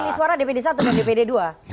kan di pemilih suara dpd satu dan dpd dua